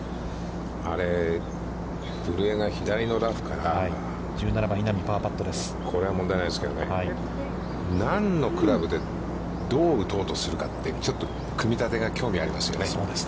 あれ、古江が左のラフからこれは問題ないですけど、何のクラブでどう打つのかって、組み立てが興味ありますよね。